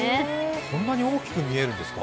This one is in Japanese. こんなに大きく見えるんですか？